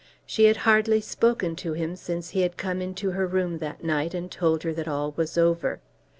She had hardly spoken to him since he had come into her room that night and told her that all was over.